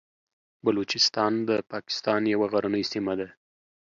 بلوچستان د پاکستان یوه غرنۍ سیمه ده.